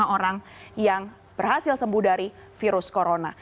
lima orang yang berhasil sembuh dari virus corona